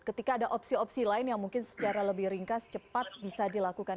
ketika ada opsi opsi lain yang mungkin secara lebih ringkas cepat bisa dilakukan